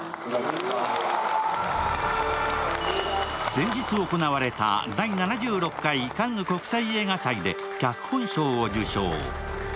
先日行われた第７６回カンヌ国際映画祭で脚本賞を受賞。